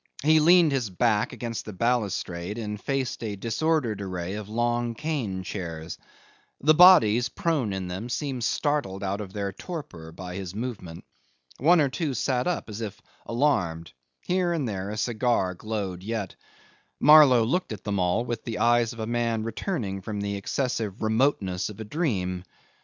He leaned his back against the balustrade and faced a disordered array of long cane chairs. The bodies prone in them seemed startled out of their torpor by his movement. One or two sat up as if alarmed; here and there a cigar glowed yet; Marlow looked at them all with the eyes of a man returning from the excessive remoteness of a dream.